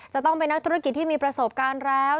จะต้องเป็นนักธุรกิจที่มีประสบการณ์แล้ว